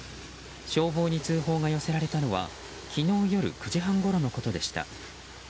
消防に通報が寄せられたのは昨日夜９時半ごろのことでした。